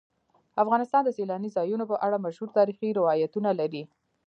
افغانستان د سیلانی ځایونه په اړه مشهور تاریخی روایتونه لري.